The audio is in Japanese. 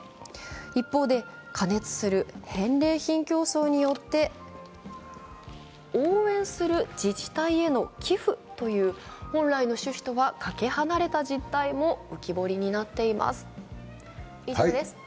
一方で過熱する返礼品競争によって応援する自治体への寄付という本来の趣旨とはかけ離れた実態も浮き彫りになっています。